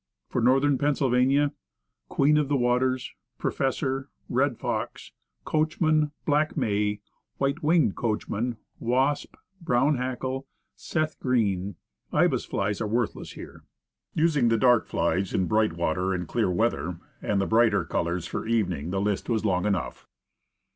For Northern Pennsylvania: Queen of the waters, professor, red fox, coachman, black may, white winged coachman, wasp, brown hackle, Seth Green. Ibis flies are worth less here. Using the dark flies in bright water and clear weather, and the brighter colors for evening, the list was long enough.